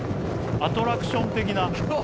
アトラクション的な。